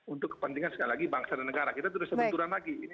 untuk kepentingan sekali lagi bangsa dan negara kita terus sebenturan lagi